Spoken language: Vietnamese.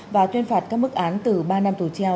và tuyên phạt các mức án từ ba năm tù treo